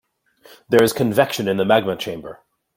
There is convection in the magma chamber.